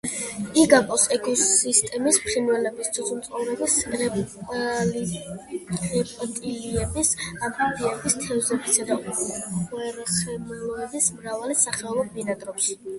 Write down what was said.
იგაპოს ეკოსისტემაში ფრინველების, ძუძუმწოვრების, რეპტილიების, ამფიბიების, თევზებისა და უხერხემლოების მრავალი სახეობა ბინადრობს.